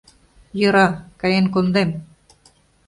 Йӧра... каен кондем.